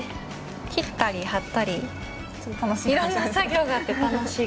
切ったり貼ったりいろんな作業があって楽しいかもしれないです。